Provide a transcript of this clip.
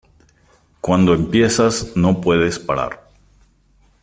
Cuando empiezas, no puedes parar.